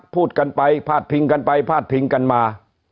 พูดกันไปพาดพิงกันไปพาดพิงกันมา